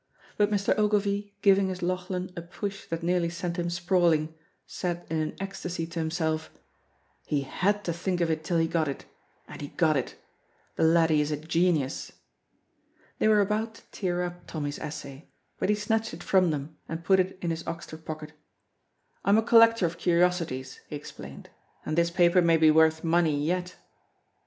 But Mr. Ogilvy giving his Lauchlan a push that nearly sent him sprawling, said in an ecstasy to himself, "He had to think of it till he got it and he got it. The laddie is a genius!" They were about to tear up Tommy's essay, but he snatched it from them and put it in his oxter pocket. "I am a collector of curiosities," he explained, "and this paper may be worth money yet."